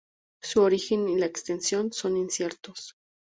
Su origen y la extensión son inciertos.